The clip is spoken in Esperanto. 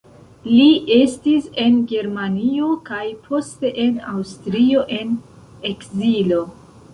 Li estis en Germanio kaj poste en Aŭstrio en ekzilo.